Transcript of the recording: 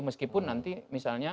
meskipun nanti misalnya